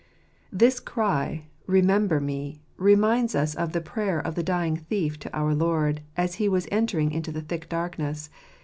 This cry, " Remember me," reminds us of the prayer of the dying thief to our Lord, as he was entering into the thick darkness.